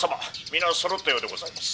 皆そろったようでございます」。